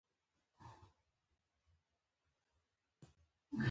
هغوی څه ناروغي درلوده؟